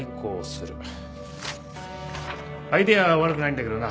アイデアは悪くないんだけどな。